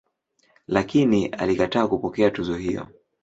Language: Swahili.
Lakini alikataa kupokea tuzo hiyo.